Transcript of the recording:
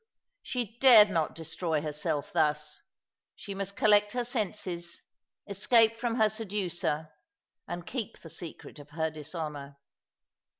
She dared not destroy herself thiis. She must collect her senses, escape from her seducer, and keep the secret of her dis honour.